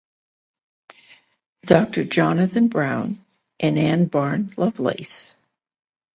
Doctor Jonathan Browne and Anne Barne Lovelace.